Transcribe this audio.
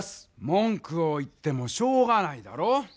文くを言ってもしょうがないだろう。